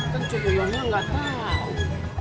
kan cucu lo nya nggak tau